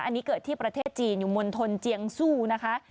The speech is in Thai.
อันนี้เกิดที่ประเทศจีนอยู่มณฑลเจียงสู้นะคะ